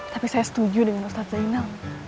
tapi saya setuju dengan ustadz zainal